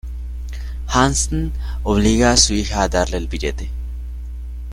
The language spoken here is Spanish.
Hansen obliga a su hija a darle el billete.